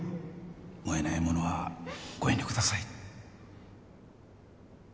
燃えないものはご遠慮ください